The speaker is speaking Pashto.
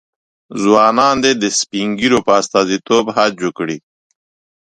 ځوانان دې د سپین ږیرو په استازیتوب حج وکړي.